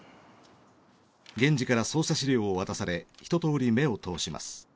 源次から捜査資料を渡され一通り目を通します。